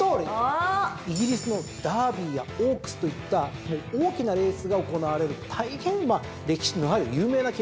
イギリスのダービーやオークスといった大きなレースが行われる大変歴史のある有名な競馬場です。